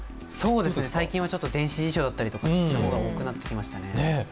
最近は電子辞書とかの方が多くなってきましたね。